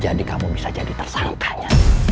jadi kamu bisa jadi tersangkanya